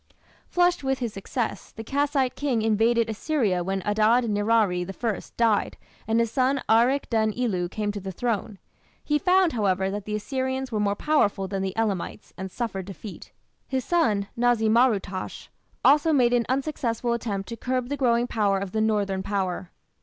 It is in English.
Flushed with his success, the Kassite king invaded Assyria when Adad nirari I died and his son Arik den ilu came to the throne. He found, however, that the Assyrians were more powerful than the Elamites, and suffered defeat. His son, Na´zi mar ut´tash, also made an unsuccessful attempt to curb the growing power of the northern Power.